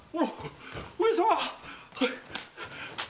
上様！